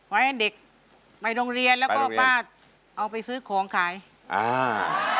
ไว้ให้เด็กไปโรงเรียนไปโรงเรียนแล้วก็ป้าเอาไปซื้อของขายอ่า